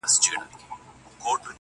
دنیا د غم په ورځ پیدا ده-